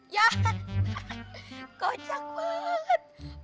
yah kocak banget